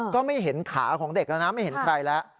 ก็ไม่เห็นขาของเด็กแล้วนะไม่เห็นใครแล้ว